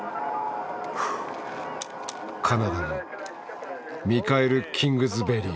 カナダのミカエル・キングズベリー。